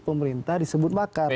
pemerintah disebut makar